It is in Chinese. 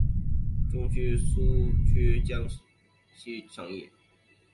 中央苏区江西省设。